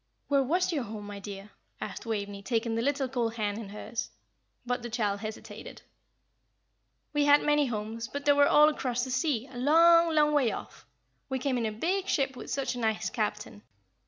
"Where was your home, my dear!" asked Waveney, taking the little cold hand in hers; but the child hesitated. "We had many homes, but they were all across the sea, a long, long way off. We came in a big ship, with such a nice captain.